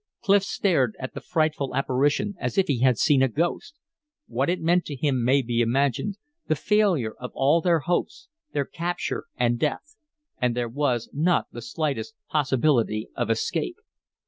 Clif stared at the frightful apparition as if he had seen a ghost. What it meant to him may be imagined the failure of all their hopes their capture and death! And there was not the slightest possibility of escape!